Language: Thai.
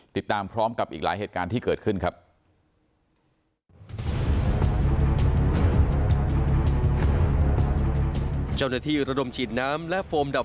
ติดตามพร้อมกับอีกหลายเหตุการณ์ที่เกิดขึ้นครับ